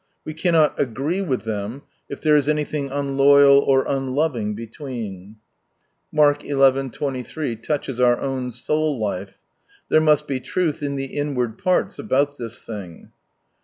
We can not " agree " with them, if there is anything unloyal or unloving between. Mark xt. 13 touches our own soul life. There must be truth in the inward pans about this thing.